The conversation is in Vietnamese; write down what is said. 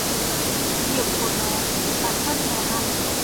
Nghiệp của nó thì bản thân nó gánh